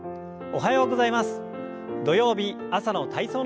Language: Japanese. おはようございます。